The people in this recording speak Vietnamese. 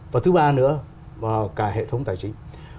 và thứ ba nữa vào cả hệ thống tài chính